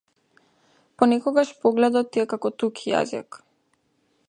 Понекогаш погледот ти е како туѓ јазик.